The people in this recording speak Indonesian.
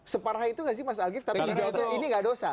separah itu gak sih mas algif tapi di jose ini gak dosa